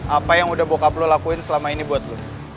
apa yang udah bocah lo lakuin selama ini buat lo